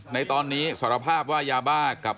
ในตอนนี้สารภาพว่ายาบ้ากับ